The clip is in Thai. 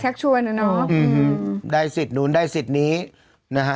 ชวนอ่ะเนอะอืมได้สิทธิ์นู้นได้สิทธิ์นี้นะฮะ